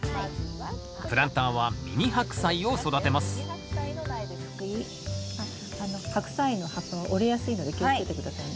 プランターはミニハクサイを育てますあっハクサイの葉っぱは折れやすいので気をつけて下さいね。